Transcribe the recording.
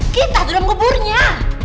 kita dalam kuburnya